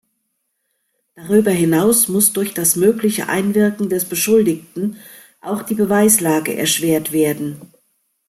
Darüber hinaus muss durch das mögliche Einwirken des Beschuldigten auch die Beweislage erschwert werden.